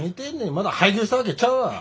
まだ廃業したわけちゃうわ！